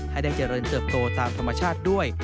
ให้ได้เจริญเติบโตตามธรรมชาติด้วย